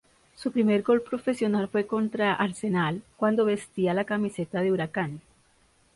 Su primer gol profesional fue contra Arsenal cuando vestía la camiseta de Huracán.